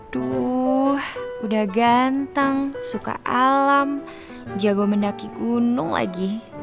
aduh udah ganteng suka alam jago mendaki gunung lagi